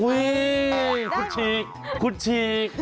อุ้ยคุดชีกคุดชีก